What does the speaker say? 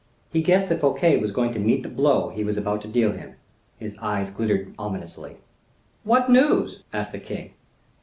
He guessed that Fouquet was going to meet the blow he was about to deal him. His eyes glittered ominously. "What news?" asked the king.